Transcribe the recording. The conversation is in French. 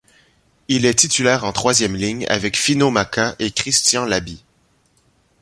Il est titulaire en troisième ligne avec Finau Maka et Christian Labit.